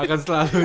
akan selalu jadi